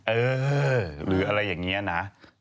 เออหรืออะไรอย่างนี้นะ